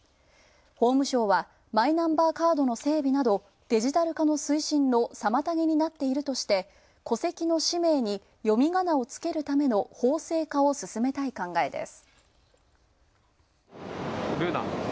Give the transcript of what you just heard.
法務省はマイナンバーカードの整備などデジタル化の推進の妨げになっているとして戸籍の氏名に読みがなをつけるための法制化を進めたい考えです。